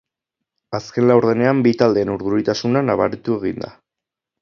Azken laurdenean bi taldeen urduritasuna nabaritu egin da.